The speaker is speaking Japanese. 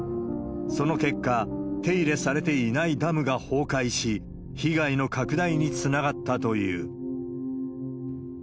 その結果、手入れされていないダムが崩壊し、被害の拡大につながったという。